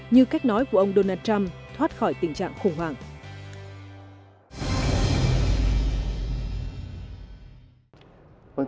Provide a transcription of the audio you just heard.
như cách nói của ông donald trump thoát khỏi tình trạng khủng hoảng